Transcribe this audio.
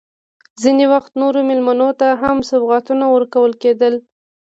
ځینې وخت نورو مېلمنو ته هم سوغاتونه ورکول کېدل.